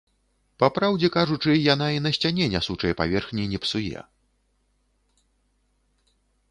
Па праўдзе кажучы, яна і на сцяне нясучай паверхні не псуе.